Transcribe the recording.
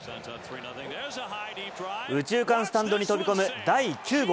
右中間スタンドに飛び込む第９号。